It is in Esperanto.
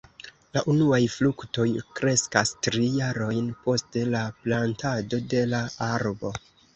La unuaj fruktoj kreskas tri jarojn post la plantado de la arbo.